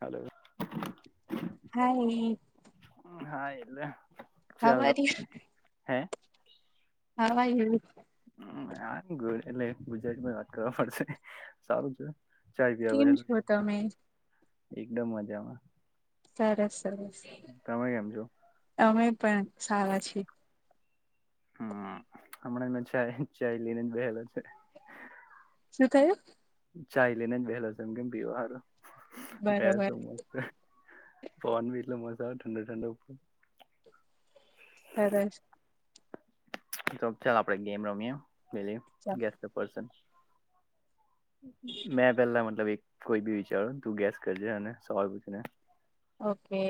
Hello. Hi. હા એટલે. હા ચાલો વરી. હે હાવા યુ. હા ની એટલે ગુજરાતીમાં વાત કરવા પડશે સારું છે. ચાય પીવા કેમ બેહેલો છો તમે એકદમ મજામાં. સરસ સરસ તમે કેમ છો અમે પણ સારા છીએ. હમ્મ હમણાંં મેં ચાય ચાય લઈને જ બેહેલો છે. શું કહ્યું? ચાય લઈને જ બેહેલો છે એમ કેમ પીવા હારુ ત્યારે બરોબર તું. પવન ભી એટલો મસ્ત આવે ઠંડો ઠંડો ઉપર. સરસ. તો ચાલ આપડે ગેમ રમીયે પેલી ગેસ ધ પર્સન. મેં પેલા મતલબ એક કોઈ બી વિચારું તું ગેસ કરજે અને સવાલ પૂછીને. ઓકે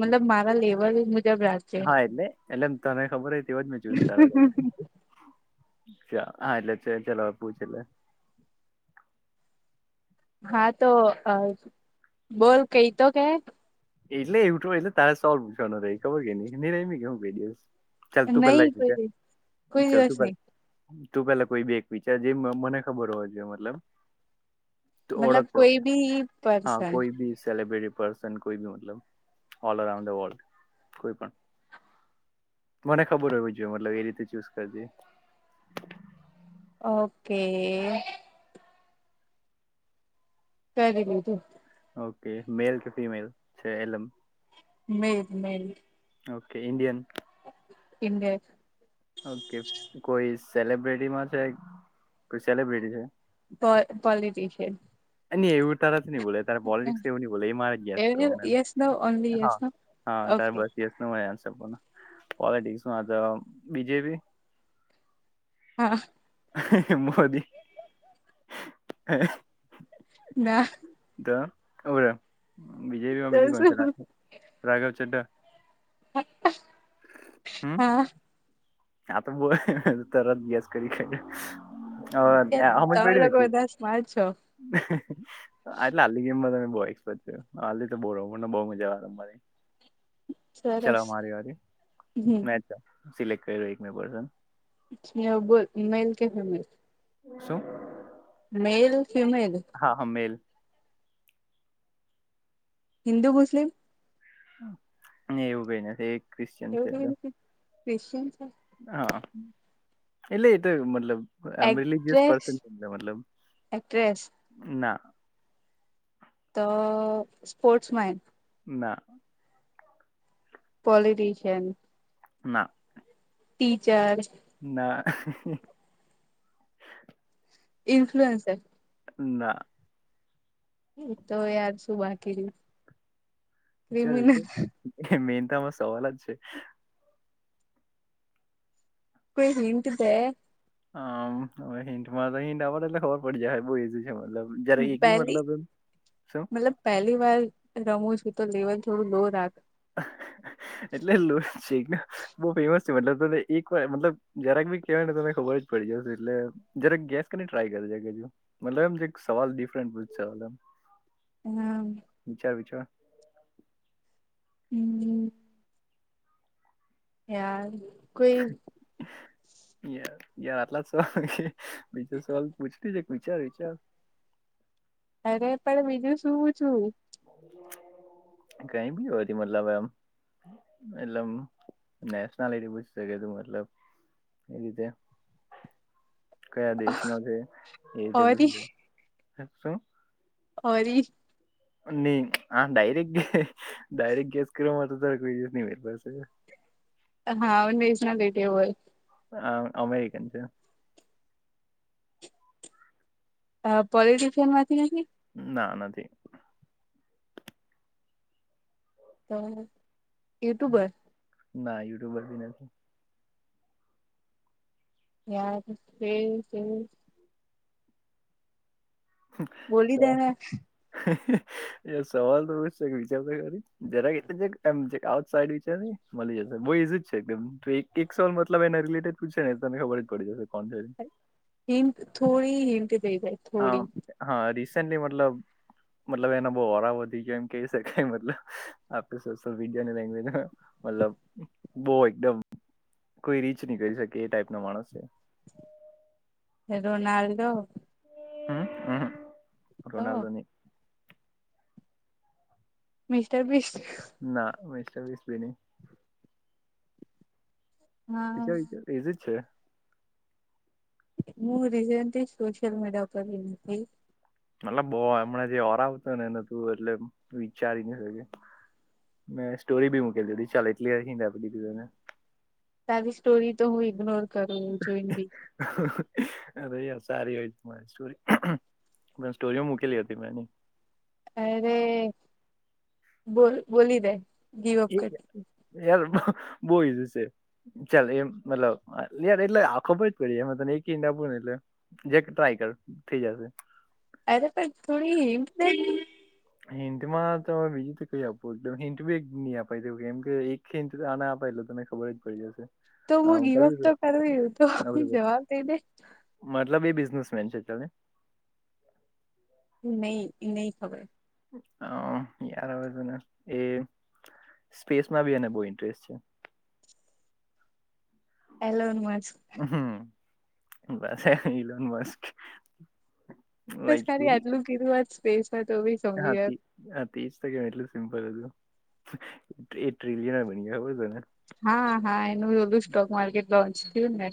મતલબ મારા લેવલ મુજબ રાખજે હા એટલે એટલે તને ખબર જ હોય મેં જોયું તારા ઘરે એટલે હા એટલે સેજલ હવે પૂછી લે. હા તો બોલ કંઈક તો કેહ એટલે ઇન્ટ્રો એટલે તાર સોલ્વ કરવાનું [unintelligible] બે દિવસ ચલ તું નહી પેહલા આવી કોઈ જજે. દિ- કોઈ ચલ તું દિવસ બ નહી તું પેલા કોઈ બેક વિચાર જે મને ખબર હોવા જોઈએ મતલબ તો મતલબ ઓળખજો કોઈ બી હા પર્સન કોઈ ભી સેલિબ્રિટી પર્સન કોઈ બી મતલબ ઓલ ઓરાઉન્ડ અ વર્લ્ડ કોઈ પણ મને ખબર હોવી જોઈએ મતલબ એ રીતે ચૂઝ કરજે ઓકે. પહલે કીધું. ઓકે મેલ કે ફિમેલ છે એલમ male male okay Indian Indian okay કોઈ સેલબ્રટી માં છે કોઈ સેલબ્રિટી છે પો પોલિટિશિયન ન એવું તારા જ નહી બોલે ત પોલિટિક્સ એવું ન બોલે એ મારે જ ગેસ કરવાનું યસ નો ઓનલી એમ યસ હા નો હા ત્યારે ઓકે બસ ગેસ મળ્યા હશો. પોલટિકસમાં તો બીજેપી? હા. હા હા મોદી હા. ના તો ઓરે બીજેપીમાં તો બીજ કોણ છે શું રાઘવ ચઢ્ઢા હા. હા પણ બોલ તરત ગેસ કરી કાઢ્યું. કે હવે અ સમજ તમે પડી લોકો હતી બધા સ્માર્ટ છો આટલા [unintelligible] બહુ એક્સેપેસ્ટ છે આ લી તો બહુ રમું ને બહુ મજા આવે મને. ચાલ સરસ હવે મારી વારી મે સિલેક કર્યો એક [unintelligible] [unintelligible] બોલ મેલ કે ફિમેલ? શું? મેલ ફિમેલ હા-હા મેલ. હિન્દુ, મુસ્લિમ? નઈ એવું કઈ નથી એ ક્રિશ્ચન છે એટલે. ક્રિશ્ચન હા એટલે એ તો મતલબ I am really this actress person મતલબ એક્ટ્રેસ ના તો સ્પોર્ટ્સ માય ના પોલિટીશિયન ના ટીચર ના ઇફ્લુઅન્સર ના તો યાર શું બાકી રયુ વિચાર વિચાર મેન તો આમાં સવાલ જ છે કોઈ હિન્ટ દે આમ હવે હિલન્ટ પહેલી મતલબ પહેલી વાર રમું છું એ તો લેવલ થોડું લો રાખ હા હા હા એટલેક બહ ફેમસ છે મલબ તને એક વાર મતલબ જરાક ભી કેહેવાયને તને ખબર પ જશે એટલે જય ગેસ કરી ટ્રાય કરે છેજું મતલબ એમ સવાલ ડિફરન્ટવા હમ હ હમ ાર કોઈ યાર યાર આટલા જ સવાલ બીજો સવાલ પૂછતી છે વિચાર વિચાર અરે પણ બીજું શું છું કઈ બી હોતી મતલબ એમ એતલબ નેશનાલિટી પૂછી શકે તું મતલબ એ રીતે [inaudible] કયા દેશ ન છે એ રીતે પૂછ ઓરી શું ઓરી નહી આ ડાયરેક્ટે ડાયરેક્ટ ગેસ કરવા માટે તારે કોઈ ર ન હા રઝના રેટ હોય હ અમેરિકન છે પોલિટશયન માંથી ના નથી તો યુટ્યુબર ના યુટ્યુબર બી નથી યાર કે સ એ બોલી દેને સવાલ તો એ છે વિચારતો કરી જરાક એટલેમ આઉટ સાઈડ વિચાર ન મળી જશે બ એજું જ છે એક સોલ મતલબ એના રિલેટેડ પૂછ ને તમને ખબર જ પડી જશે કો હિંટ થોડી હિંન્ટ થઈ જાય થોડી તની મતલબ મતલબ એના બહ ઓરા વધી ગયો એમ કહી શકાય મતલબ આપે સોશલ મીડિયા ની લેંગ્જમાં મતલબ બહ એકદમ કોઈ રીચ નહી કરી શકે એ ટાઈપ નો માણસ છે રોનાલડો હમ હમ રોનાલ્ડોની મિસ્ટર મિસ્ટ ના મસ્ટ વીસ બી ન વિચ હા વિચ એજ જ છે હું રિસેન્ટલી સોશલ મીડીિયા ઉપર જી મતલબ બહ હમણાં જે ઓરા આવતો ને એને તું એટલે વિચારી ના શકે મે સ્ટોરી બી મકે દીી ચાલ એટલી હીને તાદી સ્ટોરી તો હું ઇગ્નોર કરું જોઈને બી હ અરે યાર સારી હોય મારી સ્ટોરી પણ સ્ટોરી મૂકેલી હતી મેંની અરે બોલ બોલી દે ગીવ અપ હજ કરતી એ બહું છે ચાલ એમ મતલબ યાર એટલે આ ખબર જ પડી એમાં તને એક ં આપુ જે ટ્રાય કર થઈ જશે અરે પણ થોડી હિન્ટ દે હિંટમાંમે બીજીું તો કઈ આપો એકમ હિંન્ટ બી એક નહી અાઈ કેમ કે એક ંચ આને આપે ત ખબર જ પડી જ હશે તો હું ગીવઅપ તો કરવી તો હા ત જવાબ દઈ દે મતલબ એ બિઝનેસ છેતા નહી નહી ખબર હ યારજ એ સ્પેસમાં બી એને બહુ ઇન્ટરેસ્ટ છે એલો નમાં હમ બસ ઇલોન મસ્ક બસ ખાલી આટલું કીધુંવા જ સ્ વે છે તજ તો કે એટલું સિમ્પલ હતું એ ટ્રિલીિયન બની ગ હો તોના હા હા એનુંલું સ્ટોક માર્કેટ લોન્ચ થયું ને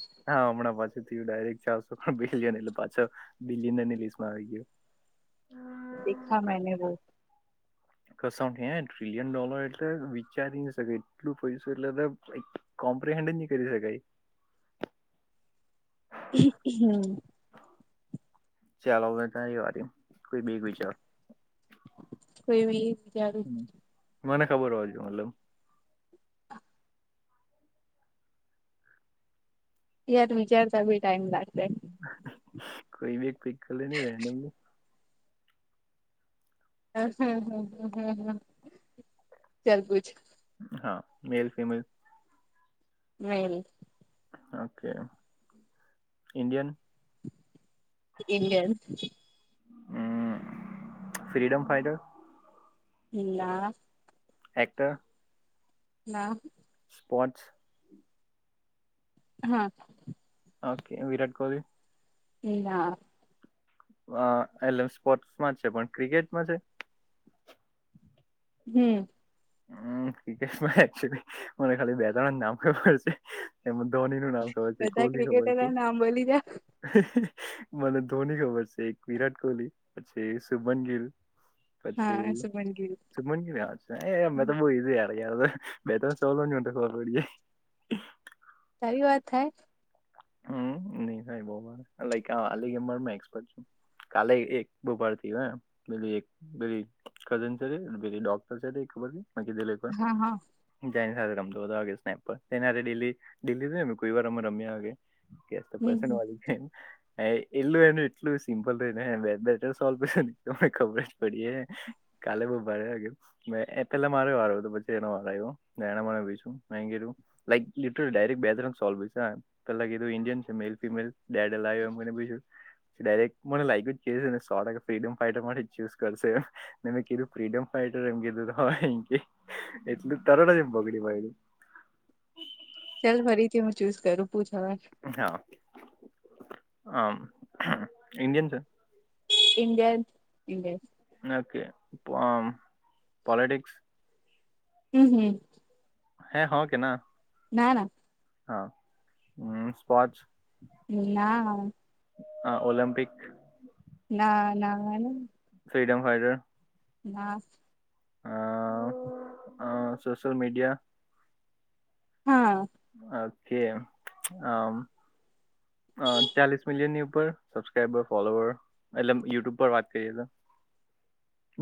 ડરેક્ટ ચારસો બિલિયન એટલે પાછો બિલિન લીસ્ટમાં આવી ગયો દેખા મેને રો કસ ટ્રિલિયન ડોલર એટલે વિચારી ન શકે એટલું પૈસું એટલે કોમ્પ્રિહેન્ડ નહી કરી શકાય [inaudible] હમ ચાલો તારી વાર કોઈ બેક વિચાર કોઈજાડું હમ, મને ખબર હો જો મતલબ યાર વિચારતા ભી ટાઈમદાર કોઈ બી એક પક લ ન રેડની હમ હ હ હ હ હ ચાલબુંજ હા મેલ ફેમેલ મેભ okay Indian Indian hmm freedom fighter હ ના એકટ ના પાંચ હા ઓકે વિરાટ કોહલી એ ના અ એલે સ્પોર્ટ્સમાં જ છે પણ ક્રિકેટમાં છે હમ હમ ક્રિકટમાં મને ખાલી બેજર નામ પ છે એમ ધોની નું નામ ખબર છે બધા કોહલી ખબર ક્રિકેટરના નામ બોલી જા છે મને ધોની ખબર છે એક વિરાટ કોહલી પછી શ સુભન ગિલ પછી હા શુભમન ગિલ સુગમન કે્યા છે અમે તો બહુ ઈ જ ય યાર તો બે તો સોલો ન તો ખર પડી જાય સારી વાત થાય હમ નહી સા બ ગ કાલે એક બપારથી હ એકરી કઝન છે રરી ડોક્ટર છે ર એક ખબર કીી લ કો હા હા ની સાથે રમતો સ્નેપ પર એને ડેલી ડેલી કોઈ વાર અમે રમ્યાગે કે તો હમ પસનવાી છેમ હ એલું એનું એટલું સિમ્પલ હોય ને બેટર સોલ્વ તને ખબર જ પડી કાલે બહુ ભારેગ એ પેલા મારે વારો આવ તો પછી એનો વારો આવ્યો નાણા મ ભીું મે ગીું લ લ ડાયરેક બે સોલ્ પેલા કીધું ઇન્ડિયન છે મેલ ફિમેલ ડેડલ્યો મને પછું ડાયરેક મને લાઈક જ કે ફ્રીડમ ફાાઈટર માટે ચૂઝ કરશે એમને મેં કીધું ફ્રીડમ ફાાઈટર એમ કીધું તો કે એટલ તરણ જ એમ બગડી ભયેલું ચાલ ફરીથી હું ચુસ કરું પુ થવાર હા આમ ઇન્ડિયન છે ઇન્ડ ઇન્ડ ઓકે પોલીિટિક્સ હમ હમ હે હ કેના ના ના હા હમ સ્પચ ના ના હા ઓલમપિક ના ના ના ફ્રીડમ ફાઈઇટર નાસ હ સોશલ મીડિયા હા ઓકે હ અ ચાલીસ મિલિયન ની ઉપર સબસ્ક્રાઈબર ફોલોવર એટલે યુટ્યુબ પર વાત કરીએ તો [inaudible]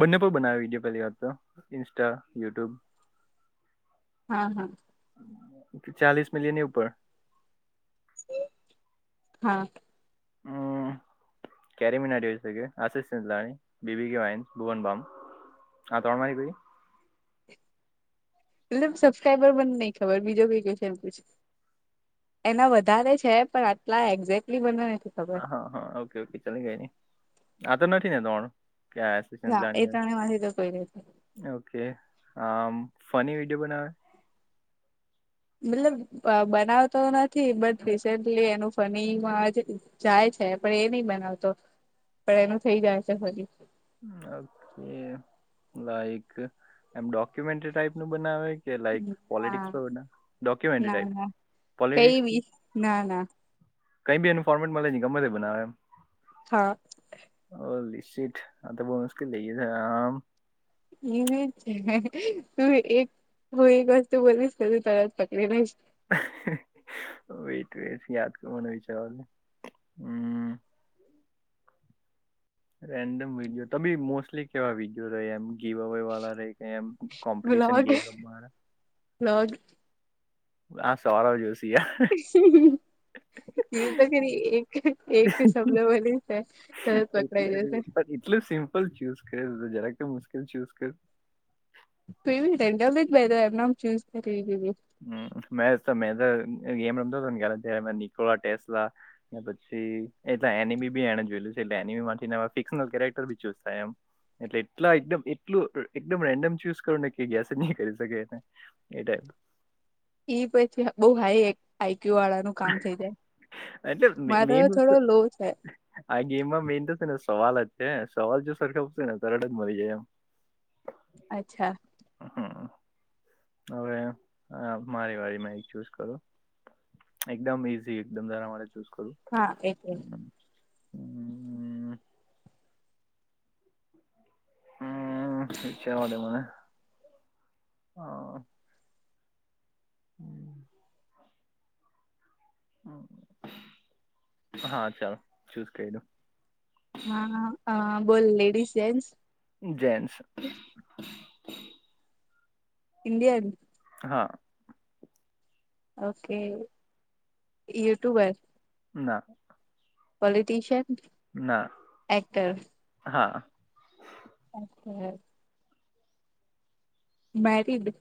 બંને પણ બનાવે વિડીયો પહેલી વાત તો ઇન્સ્ટા યુટ્યુબ હા હા ચાલીસ મિલિયનની ઉપર હા કેરીમિના આશિષિલા બીબી વા ભુવન બામ હા તોણ મારી ગઈ એટ સબસ્ક્રાઈબર બને નઈ ખબર બીજો કઈ ક છેમ પછ એના વધારે છે પણ આટલા એક્ઝેક્ટલી બને હ હા હા ઓકે ઓકે ચલી ગઈ નહી આ તો નથી ને તોણું ક ના એ ત્રણે માંથી તો કોઈ નથી લ ઓકે આમ ફની વિડીયો બનાવે મતલબ બનાવતો નથી બટ રિસેન્ટલી એનું ફનીમાં જાય છે પણ એ નહી બનાવતો પણ એનું થઈ જાય છે હ ઓકે લક એમ ડોક્યુમેન્ટ ટાઈપ નું બનાવે લક ના પોલિટિકસ ડોક્યુમેન્ટ ના ટાઈ ના કઈ બી ના ના કઈ બી એનું ફોર્મેટ મળે ન ગમેત બનાવે એમ હા સી હ તો બહુ મુશ્કેલ થઈ છે આમ એ તું એક હું એક વસ્તુ બોલીશ કું તરત પકડીનેઈ [inaudible] વટ યાદ કરવાનું વિચાર હમ રેન્ડમ વિડીયો તમેી મોસ્ટલી કેવા વિડીયો રહ એમ જીવા વાળા રમ કોમ્પશન ગ લ્લોગ હા સવાર જોશે એવું તો કરી એક એક શબદ બની છે એટલે એટલું સિમ્પલ ચૂઝ કર જરાક મુશ્કેલ છેજ કર પ ર જ ભાઈ એમમ ચુઝીધું હ મે તો મે ગેમ રમતો હતો નેળ ટેલા પછી એટલે એની બી બી એને જોયું છે એટલે એની ફિક્નલ કેરેક્ટરી ચૂઝ થાય એમ એટલે એટલા એકદમ એટલું એકદમ રેન્ડમ ચૂઝ કરું ને કે ગેસ જ નહી કરી શકે એને એ ટાઈપ. ઈ પઈથી બઉ હાઈ આઈક્યુ વાળાનું કામ થઇ જાય. એટલે મારો મેઈન વસ્તુ થોડો લો છે આ ગેમમાં મેન તો છે ને સવાલ જ છે સવાલ જો સરખા ઉ [unintelligible] ને તરળ જ મળી જાય એમ. અચ્છા. હમ્મ હવે મારી વાળી માં એક ચુઝ કરું. એકદમ ઈઝી એકદમ જેના માટે ચુઝ કરું. હા એટલે હમ્મ. હમ્મ જવાદો મને હ હા ચાલ ચુસ કઇરુ. હા બોલ લેડીઝ જેન્ટ્સ જેન્સ ઇન્ડિયા હા. ઓકે યુટ્યુબ એ ના. પોલિટીશિન. ના હા. [unintelligible] મેરિડ.